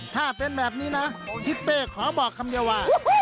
ถ้าเป็นแบบนี้นะทิศเป้ขอบอกคำเดียวว่า